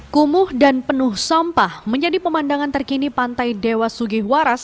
kumuh dan penuh sampah menjadi pemandangan terkini pantai dewa sugihwaras